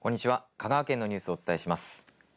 香川県のニュースをお伝えします。